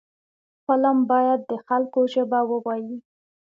فلم باید د خلکو ژبه ووايي